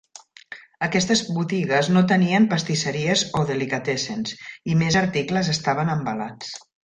Aquestes botigues no tenien pastisseries o delicatessens, i més articles estaven embalats.